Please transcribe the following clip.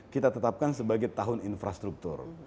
kita tetapkan sebagai tahun infrastruktur